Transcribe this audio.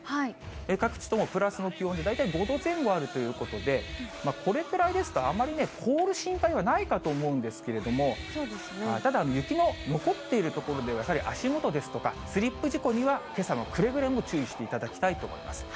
各地ともプラスの気温で、大体５度前後あるということで、これくらいですと、あまり凍る心配はないかと思うんですけれども、ただ、雪の残っている所では、やはり足元ですとか、スリップ事故にはけさもくれぐれも注意していただきたいと思います。